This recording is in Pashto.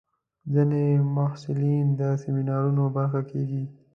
ځینې محصلین د سیمینارونو برخه کېږي.